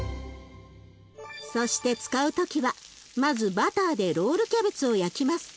そして使う時はまずバターでロールキャベツを焼きます。